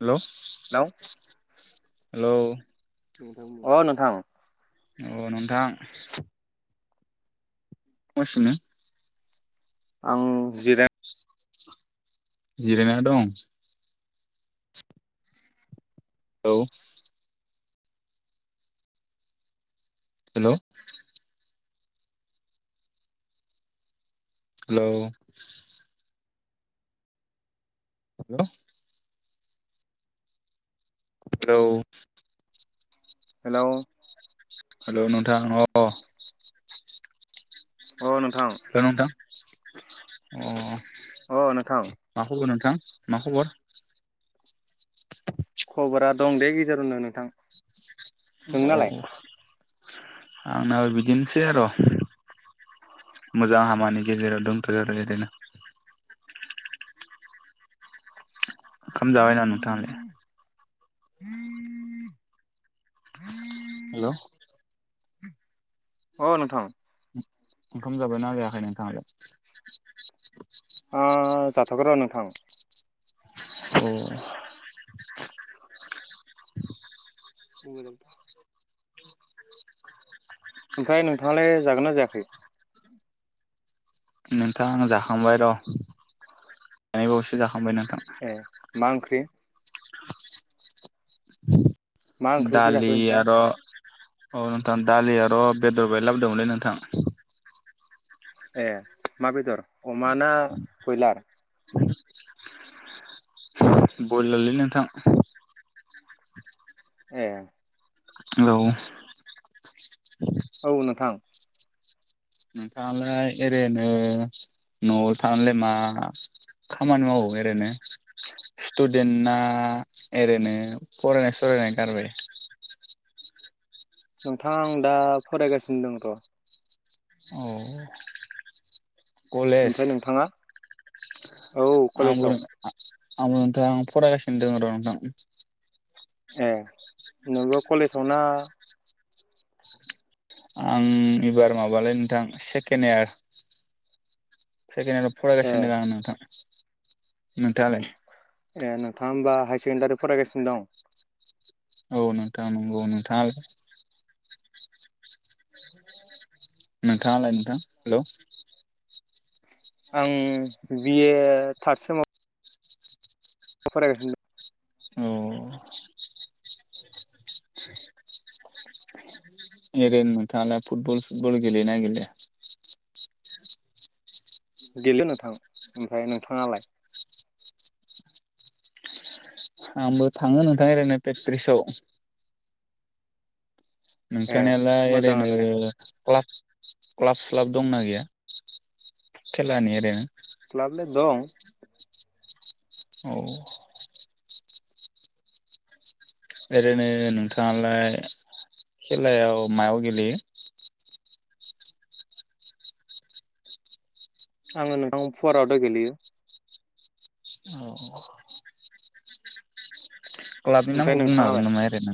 Hello. Hello [unintelligible] अ नोंथां। अ नोंथां। [unintelligible] सिनो आं जिराय जिरायना दं। औ हेल हेलौ हेल हेलौ। हेलौ हेलौ नोथां अ। [inaudible] अ नोंथां [unintelligible] [inaudible] अ। अ नोंथां माखौ [unintelligible] नोंथां। मा खबर खबरा दं दे गेजेरावनो नोंथां अ-अ नोंनालाय आंनाबो बिदिनोसै आरो मोजां हामानि गेजेराव दंथ' आरो इदिनो [inaudible] ओंखाम जाबाय नामा नोंथाङालाय? [inaudible] हेलौ अ नोंथां ओंखाम जाबायना जायाखाय नोंथाङालाय? आ जाथ'आखैर' नोंथां। औ। [inaudible] [unintelligible] [inaudible] ओमफाय नोंथाङालाय जागोन ना जायाखै। नोंथां आं जाखांबाय र [unintelligible] बावैसो जाखांबाय नों- ए मा ओंख्रि? मा [inaudible] ओंख्रिथो जाखो दालि ओमफ्राय आरो औ नोंथां दालि आर' बेदर बाय लाबोदोंमोनलै नोंथां। ए मा बेदर? अमाना खयलार? बयलालै नोंथां ए औे औ नोंथां। नोंथाङालाय ओरैनो न'आव थानालाय मा खामानि मावो ओरैनो स्टुदेन्टना ओरैनो फरायनाय सरनाय गारबाय? नोंथाङा आं दा फरायगासिनो दं थ। अ कलेज ओमफ्राय नोंथाङा औ कलेजाव। आं दा फरायगासिनो दङ र' नोंथां। ए नोंबो कलेजाव ना? आं एबार माबालै नोंथां सेकेन्ड इयार। सेकेण्डआव आव ए फरायगासिनो आं नोंथां नोंथाङालाय ए नोंथाङा होमबा हा सेकेण्डारि फरायगासिनो दं? औ नोंथां नंगौ नोंथाङा नोंथांङालाय नोंथां हेल'? आं बि ए थार्द सेमाव। फरायगासिनो औ [unintelligible] एरै नोंथाङालाय फुटबल सुटबल गेलेयो ना गेलेया? गेलेयो नोंथां ओमफ्राय नोंथाङालाय? आंबो थाङो नोंथां ओरैनो प्रेखथ्रिसआव ए नोंथांनियालाय मोजाङानो दे ओरैनो क्लास क्लाब स्लाब दंना गैया खेलानि ओरैनो? क्लाबलाय दं औ एरैनो नोंथाङालाय खेलायाव मायाव गेलेयो? आङो नोंथां पुवारावथ' गेलेयो। औ क्लाबनि ओमफ्राय नामखौ बुंनो हागोन नोंथाङालाय नामा एरैनो?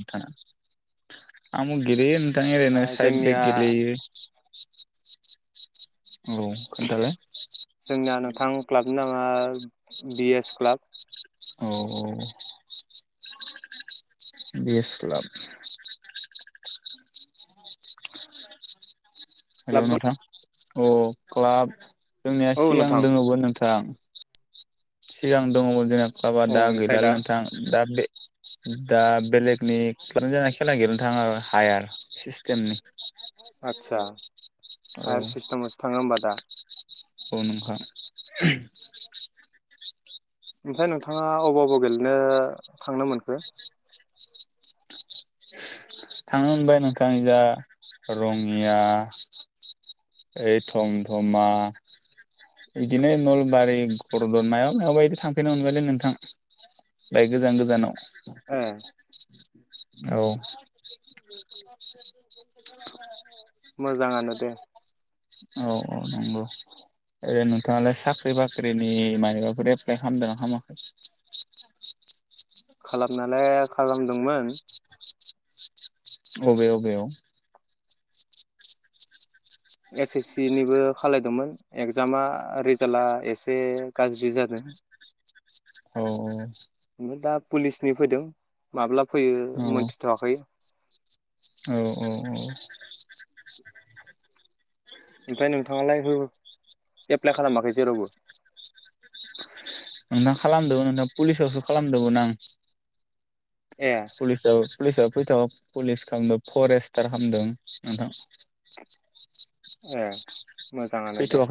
आंबो गेलेयो नों थां ओरैनो ओ साइड बेक जोंनिया गेलेयो। [unintelligible] औ खोन्थालाय? थां क्लाबनि नामा बिएस क्लाब औ औ बेस्लाब हेलौ क्लाब दं नथां अ क्लाब जोंनिया औ सिगां नोंथां दोङोबोद नोंथां सिगां दङमोन जोङा बाबा औ दा ओमफ्राय गैलालै नोंथां दा बे- दा बेलेगनि जा खेला गेलेनो थाङो आरो हायार सिस्टेमनि आदसा हायार सिस्टामावसो थाङो होमबा दा अ नंखार ओमफ्राय नोंथाङा अबाव बबाव गेलेनो थांनो मोनखो थांनो मोनबाय नोंथां जाा रङिया ओ थमधमा बिदिनो नलबारि गरदद मायाव माबायदि थांफैनो मोनबायलै नोंथां बायक गोजान गोजानाव ए औ [unintelligible] मोजाङानो दे औ औ नंगौ ओरै नोंथाङालाय साख्रि बाख्रिनि मायबाफोर एप्लाइ खालामदोंना खालामाखै खालामनायालाय खालाम दंमोन अबे अबे आव। एस एस सि निबो खालायदोंमोन एगजामा रिजाला एसे गाज्रि जादों औ दा पुलिसनि फैदों माब्लाबा औ फैयो मोनथिथवाखै औ औ औ ओमफ्राय नोंथाङालाय हो एप्लाइ खालामाखै जेरावबो? ना खालामदोंमोन नोंथां पुलिसावसो खालामदोंमोन आं ए पुलिसनि आव- पुलिसा फैथाव पुलिस खालामदों फरेस्टार खालामदों नोंथां ए मोजाङानो दे।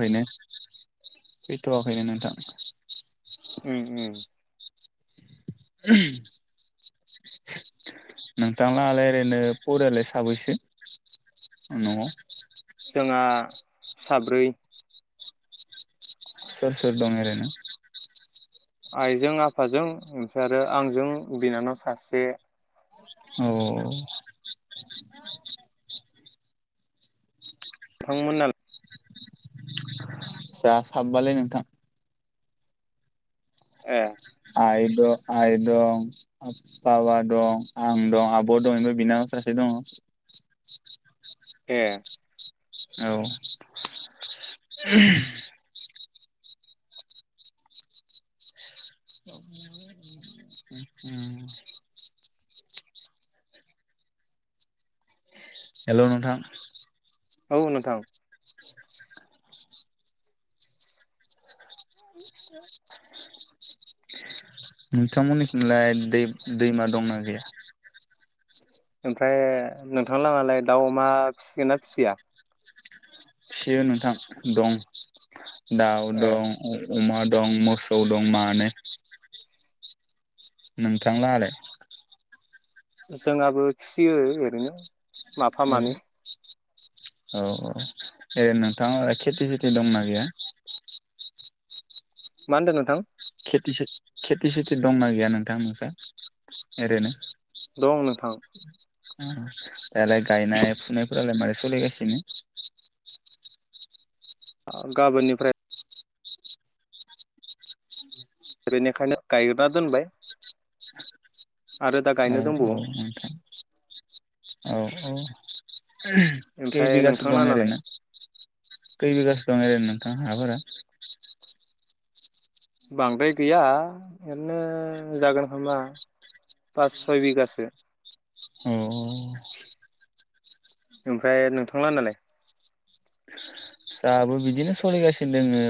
फैथ'आखैनो नोंथां। ओम ओम नोंथांलालाय ओरैनो फरियालाय साबैसो नआव जोंहा साब्रै। सोर सोर दं एरेनो आइजों आफाजों ओमफ्राय आरो आंजों बिनानाव सासे औ नोंथांमोन हाला जा साबबायलै नोंथां। ए आइ द आइ दं बाबा दं आं दं आब' दं ओमफ्राय बिनानाव सासे दङ ए औ अह हेलौ नोंथां औ नोंथां नोंथांमोननिसिमलाय दै-दैमा दंना गैया ओमफ्राय नोंथां लाहालाय दाउ अमा फिसिगोन ना फिसिया? फिसियो नोंथां दं दाउ ए दं, अ अमा दं, मोसौ दं मानै नोंथां लाहालाय? जोंहाबो फिसियो ओरैनो। माफा मानै औ औ एरैनो नोंथां खेथि सेथि दंना गैया? मा होनदों नोंथां? खेथि सेत खेथि सेथि दंना गैया नोंथां ओमफ्राय एरैनो दं नोंथां। [inaudible] दालाय गायनाय फुनायफोरालाय मारै सोलि गासिनो। ओ गाबोननिफ्राय ओरैनिखायनो गायगा दोनबाय आरो दा गायनो औ दंबावो औ नोंथां औ औ। खै ओमफ्राय बिगासो नोंथां दं लानालाय ओरैनो खै बिगासो? दङ एरै नोंथां हाफोरा बांद्राय गैया ओरैनो जागोन खोमा पास सय बिगासो औ औ ओमफ्राय नोंथां नाहालानाय। जाहाबो बिदिनो सोलिगासिनो दोङो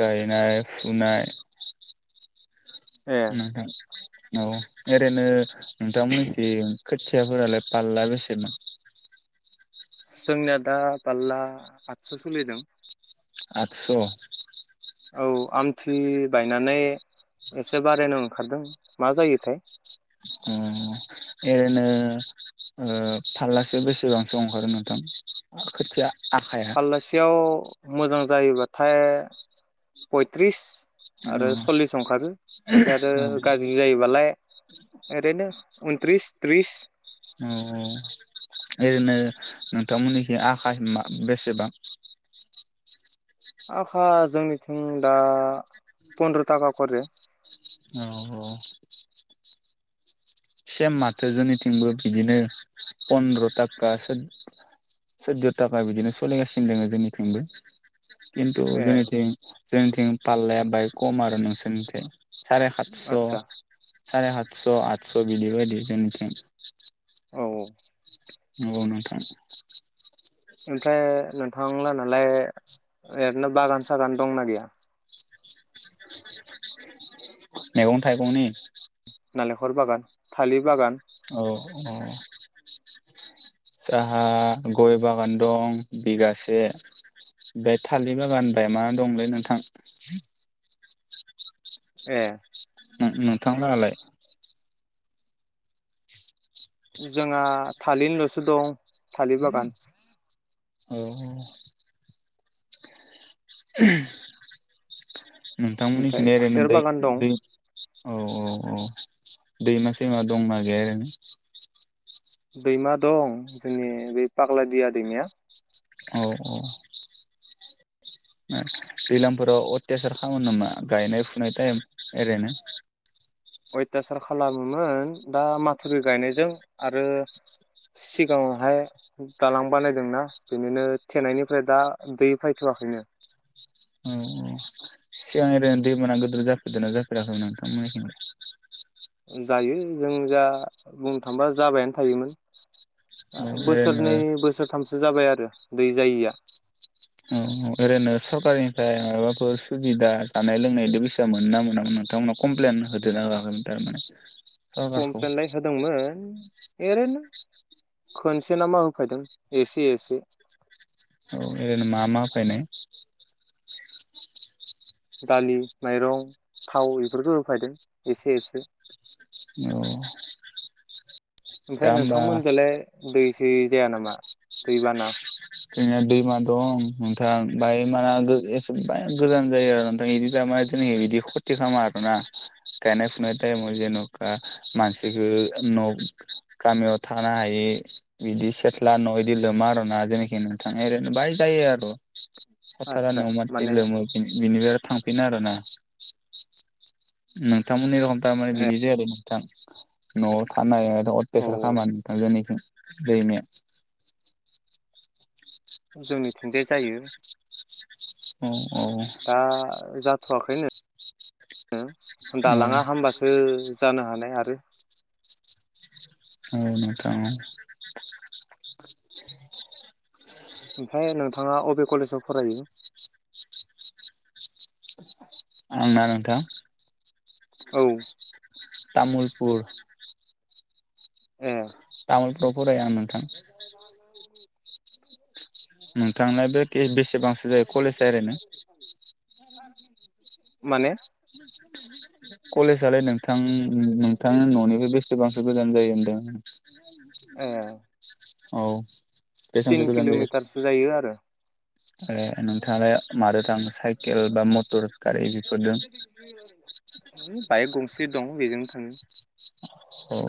गायनाय फुनाय। ए नोंथां औ ओरैनो। नोंथांमोननिथि खोथियाफोरालाय पालला बेसेबा जोंनिया दा बारला आदस' सोलिदों। आठस' औ आमथि बायनानै एसे बारायनो ओंखारदों मा जायोथाय ओ ओरैनो ओ फारलासेयाव बेसेबांसो ओंखारो नोंथां खोथिया आखाया फाललासेयाव मोजां जायोबाथाय पयथ्रिस औ आरो सल्लिस अंखारो आमफ्राय आरो औ गाज्रि जायोबालाय ओरैनो उनथ्रिस त्रिस औ औ ओरैनो नोंथांमोननिखि आखा है बेसेबां आखा जोंनिथिं दा फन्द्र थाखा करि औ औ सेम माथो जोंनिथिंबो बिदिनो फन्दद्र' थाखा सैदद' थाखा बिदिनो सलिगासिनो दोङ जोंनिथिंबो खिन्थु ए जोंनिथि। जोंनिथिं पाललाया बाहाय खम आरो नोंसोरनिथिं सारे सातस'। आदसा सारे आत स' आत स' बिदि बादि जोंनिथिं। औ औ। औ नोंथां ओमफ्राय नोंथांला नालाय ओरैनो बागान सागान दंना गैया। मैगं थाइगंनि नालेंखर बागान थालिर बागान औ औ जाहा गय बागान दं बिगासे आमफाय थालिर बागान माय मा दंलै नोंथां ए। नोंथांलाहालाय जोंहा थालिरल'सो दं थालिर बागान। औ ओमफ्राय नोंथांमोनिथिंजाय ओरैनो खुसेर दै बागान दं दै औ औ औ दैमा सैमा दंना गैया ओरैनो ना दैमा दं जोंनि बे पाग्लादिया दैमाया। औ औ। दैज्लांफोराव अयतासार खालामो नामा गायनाय फुनाय टाइम ओरैनो अथासार खालामोमोन दा माथावरि गायनायजों आरो सिगाङावहाय दालां बानायदोंना बिनिनो थेनायनिफ्राय दा दै फैथ'वखैनो। औ औ सिगां ओरैनो दै बाना गिदिर जाफेरदों ना जाफेराखैमोन नोंथांमोनखि। जायो जों जा बुंनो थांबा जाबायानो थायोमोन। औ ओरैनो बोसोरनै बोसोरथामसो जाबाय आरो दै जायैया औ औ ओरैनो सरकारनिफ्राय माबाबाफोर सुबिदा जानाय लोंनायदि फैसा मोनो ना मोनामोन नोंथांमोना कमप्लेन होदना होआाखैमोन थारमाने सरखारखौ कमप्लेनलाय होदोंमोन ओरैनो खनसे ना मा होफैदों एसे एसे। औ ओरैनो मामा फायनाय दालि माइरं थाव बेफोरखौ होफैदों एसे एसे। औ दा ओमफ्राय होमबा नोंथांमोनजोंलाय दै दै जाया नामा दै बाना। जोंना दैमा दं नोंथा बाय माना एसेबा गोजान जायो आरो नोंथां बिदि जेनेबा बिदि खथि खालामा आरोना गायनाय फुनाय टाइमाव जेन'बा मानसिनि न' गामियाव थानो हायि बिदि सेथ्ला न' बिदि लोमा आरोना जेनेब थानाया बाहाय जायो आर' आदसा माने [unintelligible] थांफिनो आरोना नोंथांमोननि रखम थार माने ए बिदि जायाखैमोन। थां न'आव थानाय आरो औ [unintelligible] दैैमाया जौनिथिंजाय जायो। औ। औ दा जाथ आखैनो। औ दालाङा हामबासो जानो हानाय आरो औ नोंथां औ। ओमफ्राय नोंथाङा अबे कलेजाव फरायो? आंना नोंथां। औ। तामुलपुर। ए तामुल राव फरायो आं नोंथां। नोंथांनाबो खेबेसे बांसो जायो कलेजआ ओरैयनो? माने कलेजालै नोंथां। उम नोंथांआ न'निफ्राय बेसेबांसो गोजान जायो होनदों। ए औ। बेसेबांसो तिन गोजान जायो किल'मिटारसो जायो आरो। ए। नोंथाङालाय मादो थांङो? साकेल बा मटर गारि बेफोरदों। बाइक गंसे दं बेजोंनो थाङो। औ।